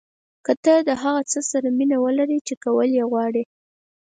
که تۀ له هغه څه سره مینه ولرې چې کول یې غواړې.